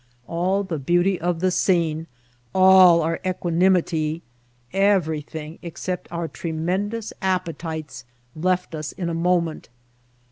All the beauty of the scene, all our equanimity, everything except our tremendous appetites, left us in a moment.